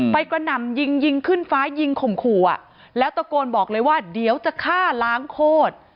กระหน่ำยิงยิงขึ้นฟ้ายิงข่มขู่อ่ะแล้วตะโกนบอกเลยว่าเดี๋ยวจะฆ่าล้างโคตร